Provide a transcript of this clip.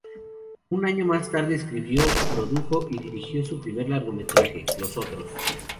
Un año más tarde, escribió, produjo y dirigió su primer largometraje, Los Otros.